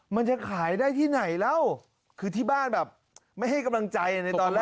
มันจะขายได้ที่ไหนแล้วคือที่บ้านแบบไม่ให้กำลังใจในตอนแรก